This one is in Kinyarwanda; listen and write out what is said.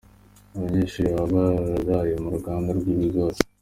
Abanyeshuri baba bararaye mu ruganda rw’ibigori?.